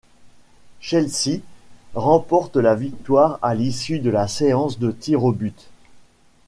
Chelsea remporte la victoire à l'issue de la séance de tirs au but.